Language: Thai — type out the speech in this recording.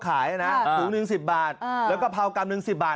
กระเพรากำหนึ่ง๑๐บาทและกระเพรากำหนึ่ง๑๐บาท